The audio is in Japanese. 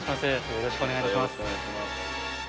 よろしくお願いします。